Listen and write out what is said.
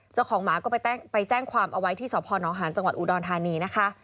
เจ้าของหมาก็ไปแจ้งความเอาไว้ที่สพนหาญจังหวัดอุดรธานีนะคะ